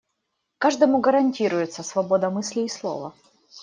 Каждому гарантируется свобода мысли и слова.